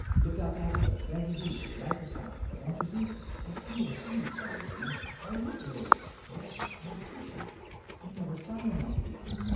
"Look out that way! there he be, right astarn, don't ye see?" "I see, I see!" cried William. "O, look, Lalee! What in odd fish it is! I never saw one like it before."